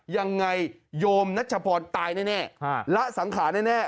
โยมนัชพรตายแน่ละสังขารแน่